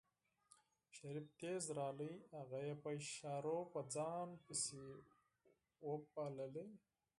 شريف تېز راغی هغه يې په اشارو په ځان پسې وباله.